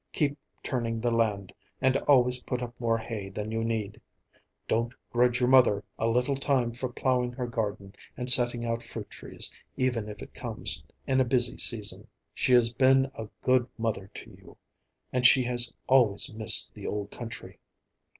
Keep turning the land, and always put up more hay than you need. Don't grudge your mother a little time for plowing her garden and setting out fruit trees, even if it comes in a busy season. She has been a good mother to you, and she has always missed the old country."